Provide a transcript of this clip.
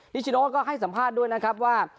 นิชโนธก็ให้สัมภาษณ์ด้วยนะครับว่า